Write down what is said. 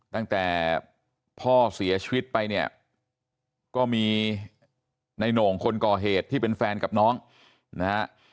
ตั้งแต่พ่อเสียชีวิตไปเนี่ยก็มีในโหน่งคนก่อเหตุที่เป็นแฟนกับน้องนะฮะ